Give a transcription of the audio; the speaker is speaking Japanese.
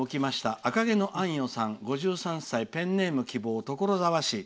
あかげのあんよさん、５３歳ペンネーム希望、所沢市。